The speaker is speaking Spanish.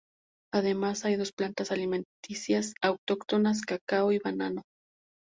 Además, hay dos plantas alimenticias autóctonas, cacao y banano.